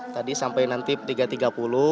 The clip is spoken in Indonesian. tadi sampai nanti pukul tiga tiga puluh